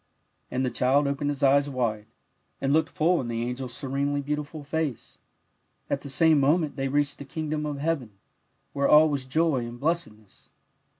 And the child opened his eyes wide, and looked full in the angel's serenely beautiful face. At the same moment they reached the kingdom of heaven, w^here all was joy and blessedness.